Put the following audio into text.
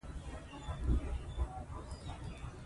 روسي فرهنګي مرکز د زده کړو فرصتونه برابرول.